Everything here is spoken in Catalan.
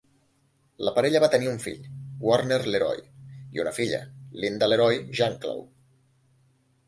La parella va tenir un fill, Warner LeRoy i una filla, Linda LeRoy Janklow.